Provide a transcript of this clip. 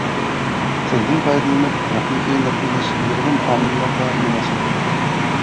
تىلدىن پايدىلىنىپ ھەقىقىي نەپ ئېلىش نۇرغۇن ئامىللارغا مۇناسىۋەتلىك.